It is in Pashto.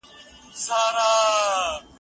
کندهار چې لکه زړه د پښتنو و